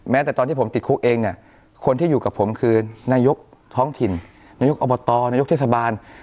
แต่ตอนที่ผมติดคุกเองเนี่ยคนที่อยู่กับผมคือนายกท้องถิ่นนายกอบตนายกเทศบาล